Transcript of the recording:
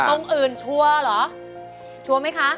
ตรงอื่นชัวร์เหรอชัวร์ไหมคะ